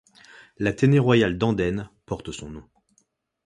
L'Athénée Royal d'Andenne porte son nom.